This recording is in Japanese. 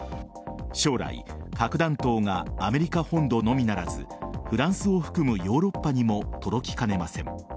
将来、核弾頭がアメリカ本土のみならずフランスを含むヨーロッパにも届きかねません。